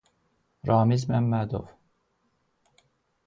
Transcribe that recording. Ramiz Məmmədov.